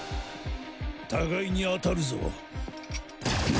互いに当たるぞ。